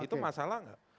itu masalah nggak